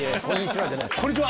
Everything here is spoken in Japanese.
こんにちは。